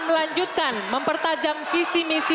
melanjutkan mempertajam visi misi